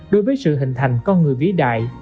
đối với sự hình thành con người vĩ đại